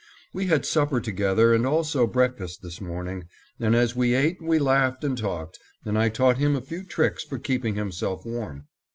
We had supper together and also breakfast this morning, and as we ate we laughed and talked, and I taught him a few tricks for keeping himself warm.